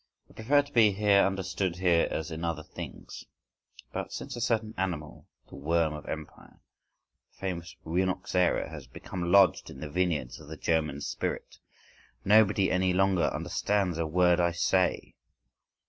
I prefer to be understood here as in other things. But since a certain animal, the worm of Empire, the famous Rhinoxera, has become lodged in the vineyards of the German spirit, nobody any longer understands a word I say.